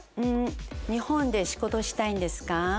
「日本で仕事したいんですか？」